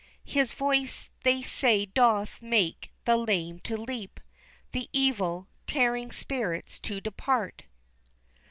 His voice they say doth make the lame to leap, The evil, tearing spirits to depart."